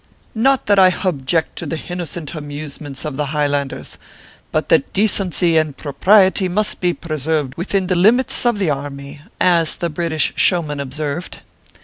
" Not that I hob ject to the hinnocent hamusements of the Highland ers, but that decency and propriety must be preserved within the limits of the army" as the British show man observed.